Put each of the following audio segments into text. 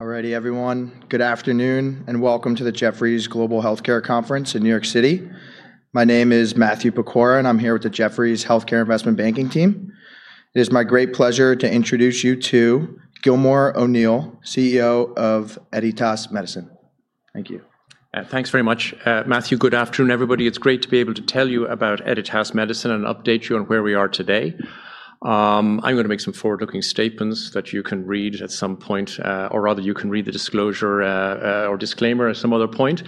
All righty, everyone. Good afternoon, welcome to the Jefferies Global Healthcare Conference in New York City. My name is Matthew Pecora, and I'm here with the Jefferies Healthcare Investment Banking team. It is my great pleasure to introduce you to Gilmore O'Neill, CEO of Editas Medicine. Thank you. Thanks very much, Matthew. Good afternoon, everybody. It's great to be able to tell you about Editas Medicine and update you on where we are today. I'm going to make some forward-looking statements that you can read at some point, or rather, you can read the disclosure or disclaimer at some other point.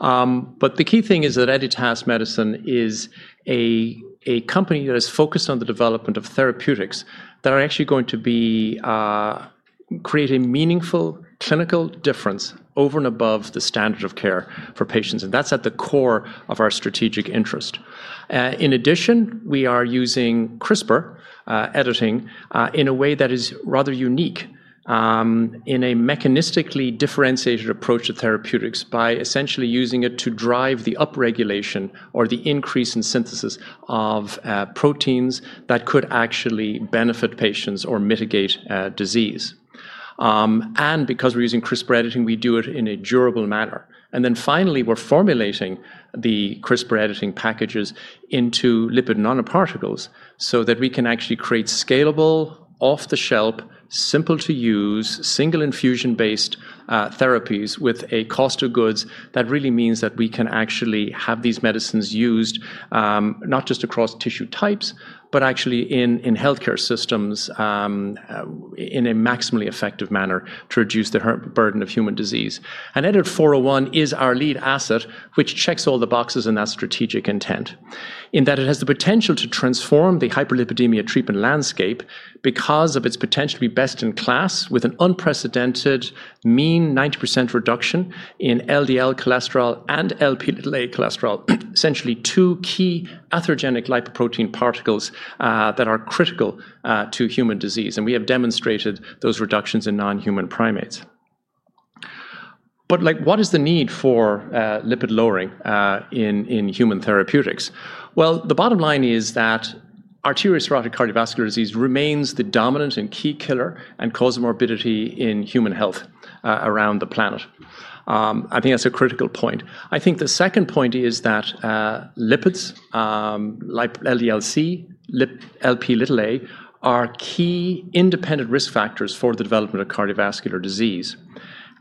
The key thing is that Editas Medicine is a company that is focused on the development of therapeutics that are actually going to be creating meaningful clinical difference over and above the standard of care for patients. That's at the core of our strategic interest. In addition, we are using CRISPR editing in a way that is rather unique in a mechanistically differentiated approach to therapeutics by essentially using it to drive the upregulation or the increase in synthesis of proteins that could actually benefit patients or mitigate disease. Because we're using CRISPR editing, we do it in a durable manner. Finally, we're formulating the CRISPR editing packages into lipid nanoparticles so that we can actually create scalable, off-the-shelf, simple-to-use, single infusion-based therapies with a cost of goods that really means that we can actually have these medicines used, not just across tissue types, but actually in healthcare systems in a maximally effective manner to reduce the burden of human disease. EDIT-401 is our lead asset, which checks all the boxes in that strategic intent, in that it has the potential to transform the hyperlipidemia treatment landscape because of its potential to be best in class with an unprecedented mean 90% reduction in LDL cholesterol and Lp(a), essentially two key atherogenic lipoprotein particles that are critical to human disease. We have demonstrated those reductions in non-human primates. What is the need for lipid-lowering in human therapeutics? The bottom line is that atherosclerotic cardiovascular disease remains the dominant and key killer and cause of morbidity in human health around the planet. I think that's a critical point. I think the second point is that lipids like LDL-C, Lp(a), are key independent risk factors for the development of cardiovascular disease.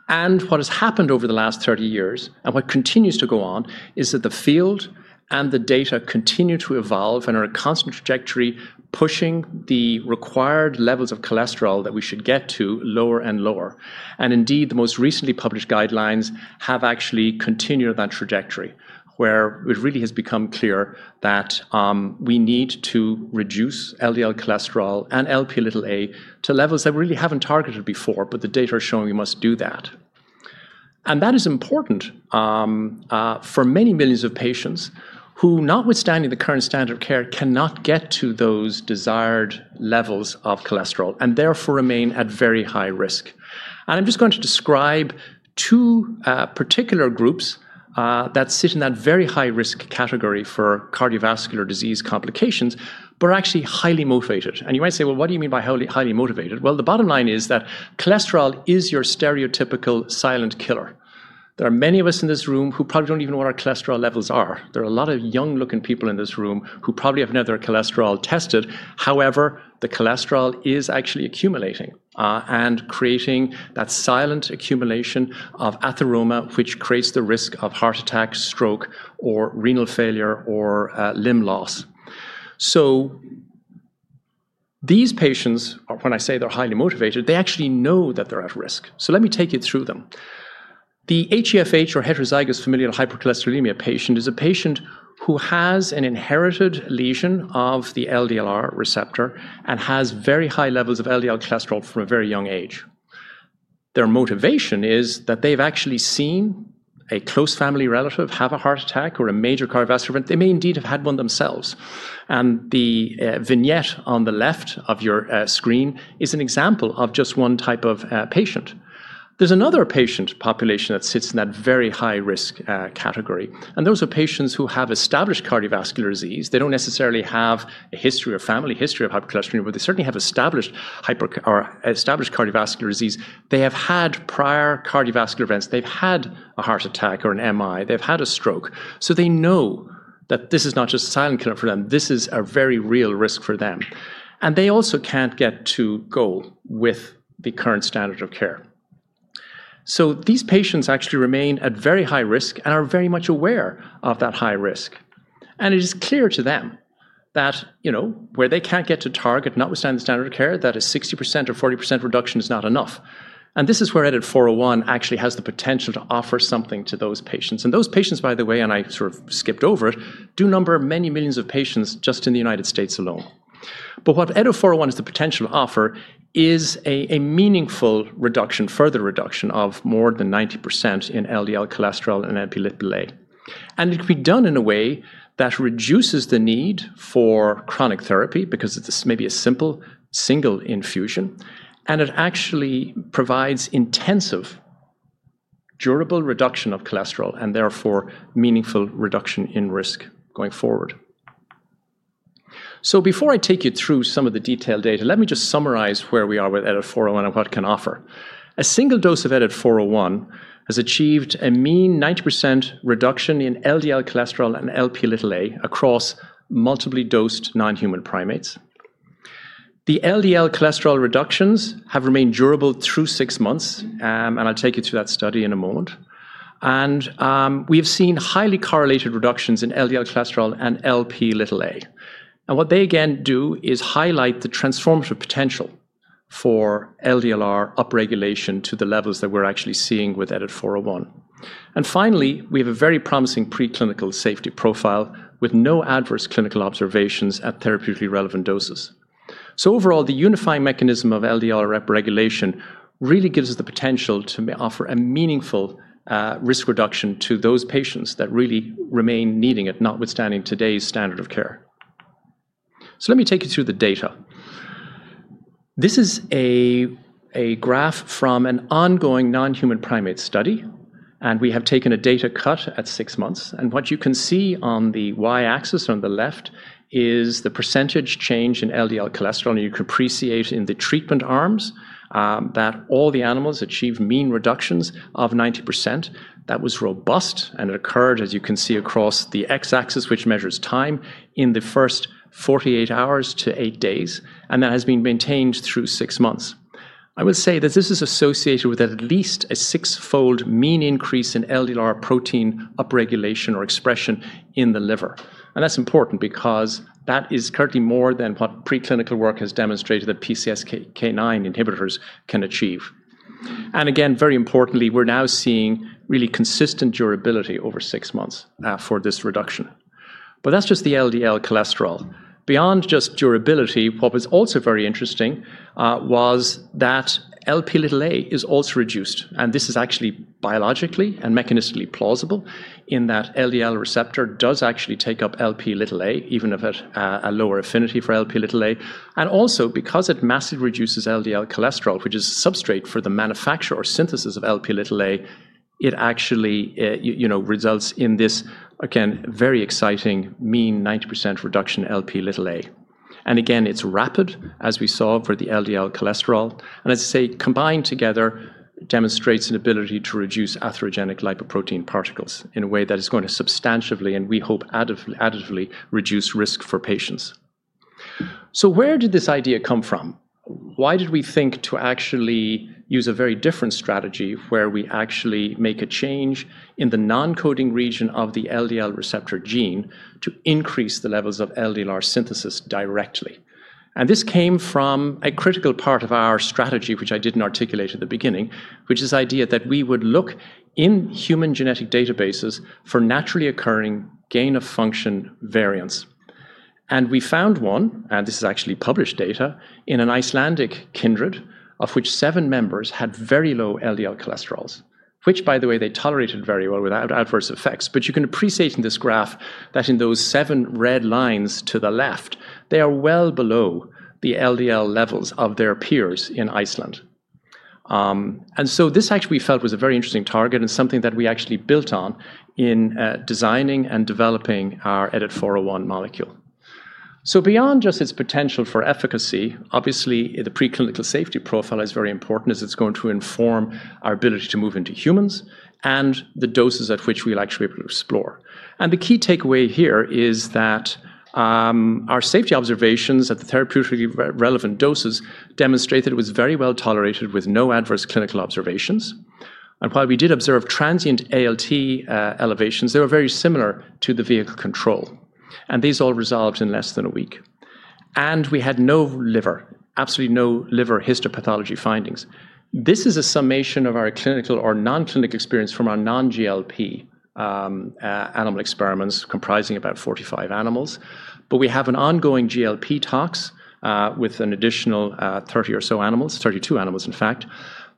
What has happened over the last 30 years and what continues to go on is that the field and the data continue to evolve and are a constant trajectory pushing the required levels of cholesterol that we should get to lower and lower. Indeed, the most recently published guidelines have actually continued that trajectory, where it really has become clear that we need to reduce LDL cholesterol and Lp(a) to levels that we really haven't targeted before, but the data are showing we must do that. That is important for many millions of patients who, notwithstanding the current standard of care, cannot get to those desired levels of cholesterol and therefore remain at very high risk. I'm just going to describe two particular groups that sit in that very high-risk category for cardiovascular disease complications but are actually highly motivated. You might say, "Well, what do you mean by highly motivated?" Well, the bottom line is that cholesterol is your stereotypical silent killer. There are many of us in this room who probably don't even know what our cholesterol levels are. There are a lot of young-looking people in this room who probably have never had cholesterol tested. However, the cholesterol is actually accumulating and creating that silent accumulation of atheroma, which creates the risk of heart attack, stroke, or renal failure, or limb loss. These patients are. When I say they're highly motivated, they actually know that they're at risk. Let me take you through them. The HeFH, or heterozygous familial hypercholesterolemia patient, is a patient who has an inherited lesion of the LDLR receptor and has very high levels of LDL cholesterol from a very young age. Their motivation is that they've actually seen a close family relative have a heart attack or a major cardiovascular event. They may indeed have had one themselves. The vignette on the left of your screen is an example of just one type of patient. There's another patient population that sits in that very high-risk category, and those are patients who have established cardiovascular disease. They don't necessarily have a history or family history of hypercholesterolemia, but they certainly have established cardiovascular disease. They have had prior cardiovascular events. They've had a heart attack or an MI. They've had a stroke. They know that this is not just a silent killer for them. This is a very real risk for them. They also can't get to goal with the current standard of care. These patients actually remain at very high risk and are very much aware of that high risk. It is clear to them that where they can't get to target, notwithstanding the standard of care, that a 60% or 40% reduction is not enough. This is where EDIT-401 actually has the potential to offer something to those patients. Those patients, by the way, and I sort of skipped over it, do number many millions of patients just in the U.S. alone. What EDIT-401 has the potential to offer is a meaningful reduction, further reduction of more than 90% in LDL cholesterol and Lp(a). It can be done in a way that reduces the need for chronic therapy because it's maybe a simple single infusion, and it actually provides intensive, durable reduction of cholesterol and therefore meaningful reduction in risk going forward. Before I take you through some of the detailed data, let me just summarize where we are with EDIT-401 and what it can offer. A single dose of EDIT-401 has achieved a mean 90% reduction in LDL cholesterol and Lp(a) across multiply dosed non-human primates. The LDL cholesterol reductions have remained durable through six months. I'll take you through that study in a moment. We have seen highly correlated reductions in LDL cholesterol and Lp(a). What they, again, do is highlight the transformative potential for LDLR upregulation to the levels that we're actually seeing with EDIT-401. Finally, we have a very promising preclinical safety profile with no adverse clinical observations at therapeutically relevant doses. Overall, the unifying mechanism of LDLR upregulation really gives us the potential to offer a meaningful risk reduction to those patients that really remain needing it, notwithstanding today's standard of care. Let me take you through the data. This is a graph from an ongoing non-human primate study. We have taken a data cut at six months. What you can see on the Y-axis on the left is the percentage change in LDL cholesterol. You can appreciate in the treatment arms that all the animals achieved mean reductions of 90%. That was robust, and it occurred, as you can see, across the X-axis, which measures time in the first 48 hours to eight days, and that has been maintained through six months. I would say that this is associated with at least a six-fold mean increase in LDLR protein upregulation or expression in the liver. That's important because that is currently more than what preclinical work has demonstrated that PCSK9 inhibitors can achieve. Again, very importantly, we're now seeing really consistent durability over six months for this reduction. That's just the LDL cholesterol. Beyond just durability, what was also very interesting was that Lp(a) is also reduced, and this is actually biologically and mechanistically plausible in that LDLR does actually take up Lp(a), even if at a lower affinity for Lp(a), and also because it massively reduces LDL Cholesterol, which is a substrate for the manufacture or synthesis of Lp(a), it actually results in this, again, very exciting mean 90% reduction in Lp(a). Again, it's rapid, as we saw for the LDL Cholesterol, and as I say, combined together, demonstrates an ability to reduce atherogenic lipoprotein particles in a way that is going to substantially, and we hope additively, reduce risk for patients. Where did this idea come from? Why did we think to actually use a very different strategy where we actually make a change in the non-coding region of the LDL receptor gene to increase the levels of LDLR synthesis directly? This came from a critical part of our strategy, which I didn't articulate at the beginning, which is the idea that we would look in human genetic databases for naturally occurring gain-of-function variants. We found one, and this is actually published data, in an Icelandic kindred of which seven members had very low LDL cholesterols. Which, by the way, they tolerated very well without adverse effects. You can appreciate in this graph that in those seven red lines to the left, they are well below the LDL levels of their peers in Iceland. This actually we felt was a very interesting target and something that we actually built on in designing and developing our EDIT-401 molecule. Beyond just its potential for efficacy, obviously the preclinical safety profile is very important as it's going to inform our ability to move into humans and the doses at which we'll actually be able to explore. The key takeaway here is that our safety observations at the therapeutically relevant doses demonstrate that it was very well tolerated with no adverse clinical observations. While we did observe transient ALT elevations, they were very similar to the vehicle control. These all resolved in less than a week. We had no liver, absolutely no liver histopathology findings. This is a summation of our clinical or non-clinical experience from our non-GLP animal experiments comprising about 45 animals. We have an ongoing GLP tox with an additional 30 or so animals, 32 animals, in fact.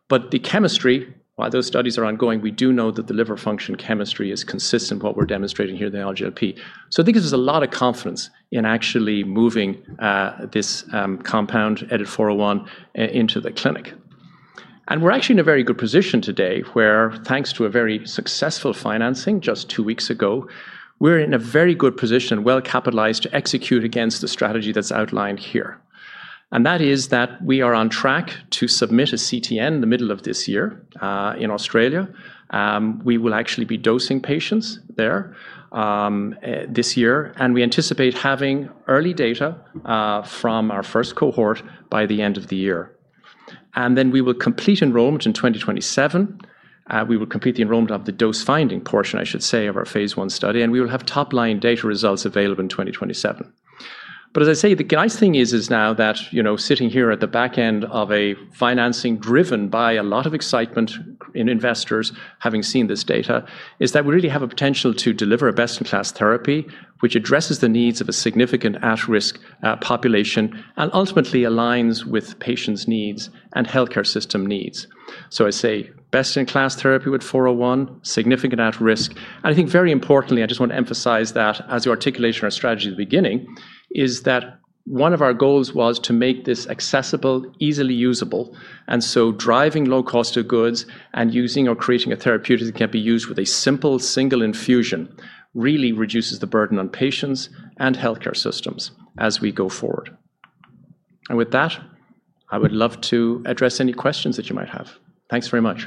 The chemistry, while those studies are ongoing, we do know that the liver function chemistry is consistent with what we're demonstrating here in the GLP. I think this is a lot of confidence in actually moving this compound, EDIT-401, into the clinic. We're actually in a very good position today where thanks to a very successful financing just two weeks ago, we're in a very good position, well capitalized to execute against the strategy that's outlined here. That is that we are on track to submit a CTN in the middle of this year in Australia. We will actually be dosing patients there this year, and we anticipate having early data from our first cohort by the end of the year. Then we will complete enrollment in 2027. We will complete the enrollment of the dose-finding portion, I should say, of our phase I study, and we will have top-line data results available in 2027. As I say, the nice thing is now that sitting here at the back end of a financing driven by a lot of excitement in investors having seen this data, is that we really have a potential to deliver a best-in-class therapy, which addresses the needs of a significant at-risk population and ultimately aligns with patients' needs and healthcare system needs. I say best-in-class therapy with 401, significant at risk. I think very importantly, I just want to emphasize that as we articulated in our strategy at the beginning, is that one of our goals was to make this accessible, easily usable. Driving low cost of goods and using or creating a therapeutic that can be used with a simple single infusion really reduces the burden on patients and healthcare systems as we go forward. With that, I would love to address any questions that you might have. Thanks very much.